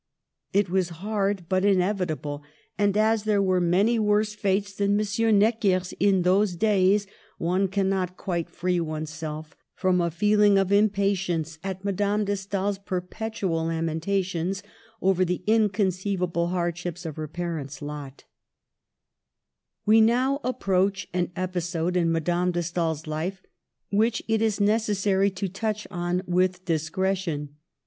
It was hard, but inevitable, and as there were many worse fates than M. Necker's in those days one cannot quite free oneself from a feeling of impatience at Madame de Stael's perpetual lam entations over the inconceivable hardships of her parent's lot We now approach an episode in Madame de Stael's life which it is necessary to touch on with discretion.